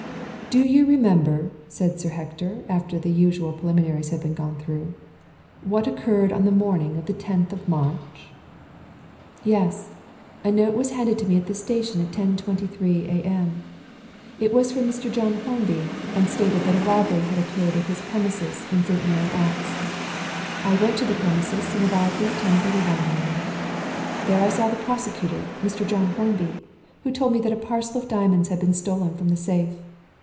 "Do you remember," said Sir Hector, after the usual preliminaries had been gone through, "what occurred on the morning of the tenth of March?" "Yes. A note was handed to me at the station at 10.23 a.m. It was from Mr. John Hornby, and stated that a robbery had occurred at his premises in St. Mary Axe. I went to the premises and arrived there at 10.31 a.m. There I saw the prosecutor, Mr. John Hornby, who told me that a parcel of diamonds had been stolen from the safe.